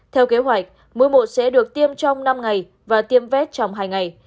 theo kế hoạch mỗi bộ sẽ được tiêm trong năm ngày và tiêm vét trong hai ngày